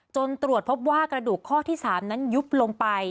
ตรวจพบว่ากระดูกข้อที่๓นั้นยุบลงไป